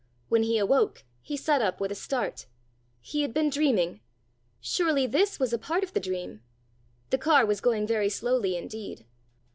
When he awoke, he sat up with a start. He had been dreaming. Surely this was a part of the dream! The car was going very slowly indeed.